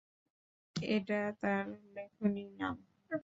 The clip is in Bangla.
এটা তার লেখনী নাম।